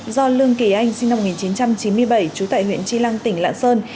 do lương kỳ anh sinh năm một nghìn chín trăm chín mươi bảy trú tại huyện chi lăng tỉnh lạng sơn